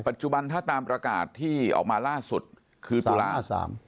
ปัจจุบันถ้าตามประกาศที่ออกมาล่าสุดคือตุลา๓